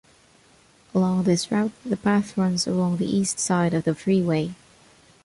Along this route, the path runs along the east side of the freeway.